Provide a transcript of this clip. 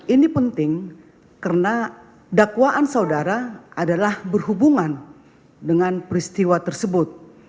ini penting karena dakwaan saudara adalah berhubungan dengan peristiwa tersebut